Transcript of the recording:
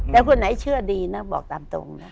แต่คนไหนเชื่อดีนะบอกตามตรงนะ